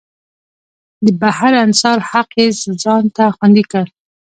د بهر انحصار حق یې ځان ته خوندي کړ.